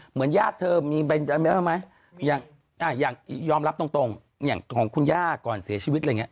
เหมือนญาติเธอมีใบเม้าไหมอย่างยอมรับตรงอย่างของคุณญาติก่อนสีชีวิตอะไรอย่างนี้